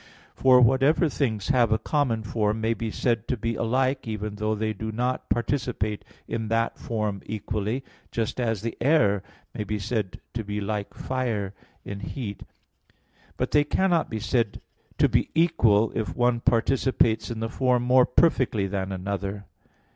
For whatever things have a common form may be said to be alike, even if they do not participate in that form equally, just as the air may be said to be like fire in heat; but they cannot be said to be equal if one participates in the form more perfectly than another.